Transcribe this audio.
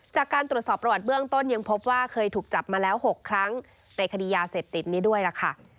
จากการตรวจสอบประวัติเบื้องต้นยังพบว่าเคยถูกจับมาแล้ว๖ครั้งในคดียาเสพติดนี้ด้วยล่ะค่ะ